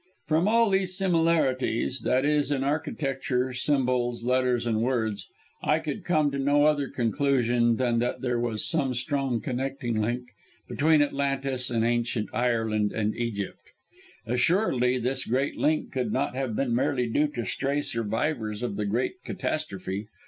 "From all these similarities, i.e. in architecture, symbols, letters, and words, I could come to no other conclusion than that there was some strong connecting link between Atlantis and ancient Ireland and Egypt. "Assuredly this great link could not have been merely due to stray survivors of the great catastrophe!